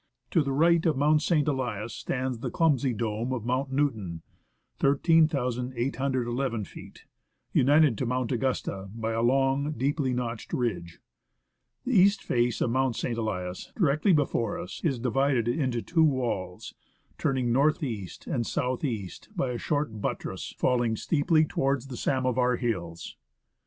To the right of Mount St. Elias stands the clumsy dome of Mount Newton (13,811 feet), united to Mount Augusta by a long and deeply notched ridge. The east face of Mount St. Elias, directly before us, is divided into two walls, turning north east and south east by a short buttress falling steeply towards the Samovar Hills.